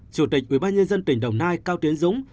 chủ tịch ubnd tỉnh đồng nai cao tiến dũng